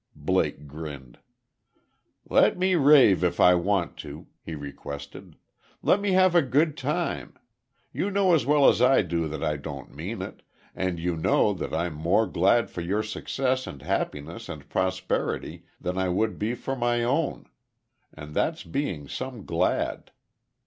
Blake grinned. "Let me rave if I want to," he requested. "Let me have a good time. You know as well as I do that I don't mean it, and you know that I'm more glad for your success and happiness and prosperity than I would be for my own; and that's being some glad."